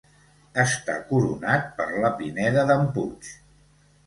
Està coronat per la pineda d'en Puig.